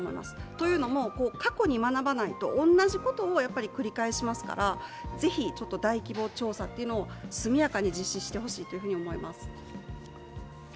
というのも、過去に学ばないと同じことを繰り返しますからぜひ大規模調査というのを速やかに実施してほしいと思います。